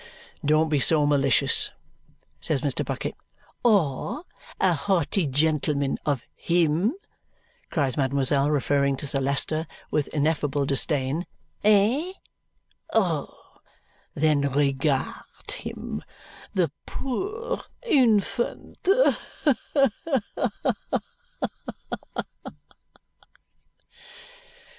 "Don't be so malicious," says Mr. Bucket. "Or a haughty gentleman of HIM?" cries mademoiselle, referring to Sir Leicester with ineffable disdain. "Eh! Oh, then regard him! The poor infant! Ha! Ha! Ha!"